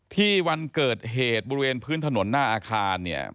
ที่วันเกิดเหตุบริเวณพื้นถนนหน้าอาคาร